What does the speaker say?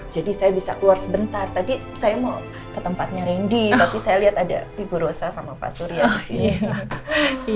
jadi saya bisa keluar sebentar tadi saya mau ke tempatnya rendy tapi saya lihat ada ibu rosa sama pak surya di sini